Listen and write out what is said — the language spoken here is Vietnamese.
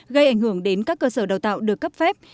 gây ảnh hưởng đến các cơ sở đào tạo được cấp phép